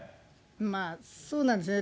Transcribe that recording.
まあ、そうなんですね。